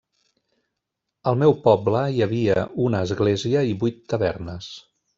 Al meu poble hi havia una església i vuit tavernes.